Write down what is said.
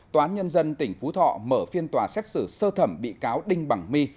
tòa án nhân dân tỉnh phú thọ mở phiên tòa xét xử sơ thẩm bị cáo đinh bằng my